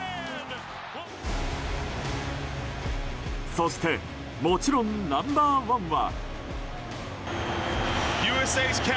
そしてもちろんナンバー１は。